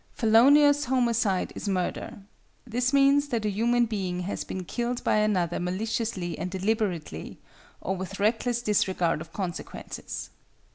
Felonious homicide is murder. This means that a human being has been killed by another maliciously and deliberately or with reckless disregard of consequences.